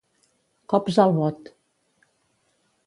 Cops al bot.